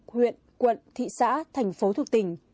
huyện quận thị xã thành phố thuộc tỉnh